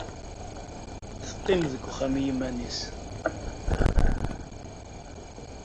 Teqqim deg wexxam i yiman-nnes.